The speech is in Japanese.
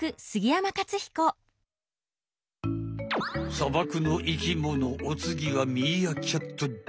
砂漠の生きものおつぎはミーアキャットだ。